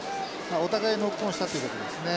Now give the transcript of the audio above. お互いノックオンしたということですね。